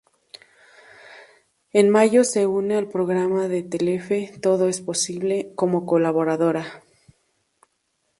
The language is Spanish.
En mayo se une al programa de Telefe, "Todo es posible", como colaboradora.